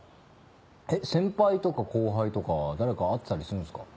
えっ先輩とか後輩とかは誰か会ってたりするんですか？